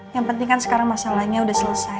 yang penting kan sekarang masalahnya sudah selesai